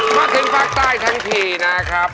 มาถึงภาคใต้ทั้งทีนะครับ